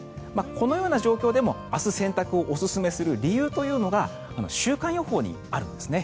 このような状況でも明日、洗濯をおすすめする理由というのが週間予報にあるんですね。